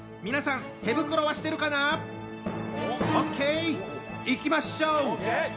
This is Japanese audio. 皆さん手袋はしてるかな？ＯＫ！いきましょう！